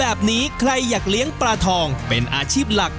แล้วก็สองก็คือโรคขี้เปื่อยหางเปื่อยเหือกเปื่อยพวกเนี้ยครับ